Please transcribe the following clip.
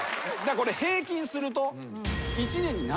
これ平均すると。